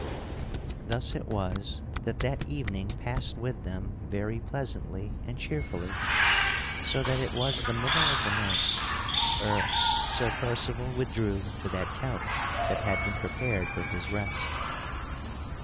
Thus it was that that evening passed with them very pleasantly and cheerfully, so that it was the middle of the night ere Sir Percival withdrew to that couch that had been prepared for his rest.